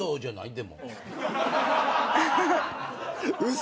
嘘！？